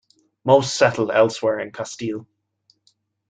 Most settled elsewhere in Castile.